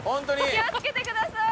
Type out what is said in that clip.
気を付けてください！